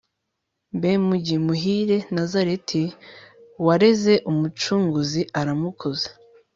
mbe mujyi muhire nazareti, wareze umucunguzi uramukuza